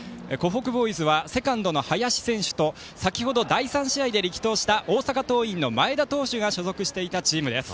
湖北ボーイズはセカンドの林選手と第３試合で力投した大阪桐蔭の前田投手が所属していたチームです。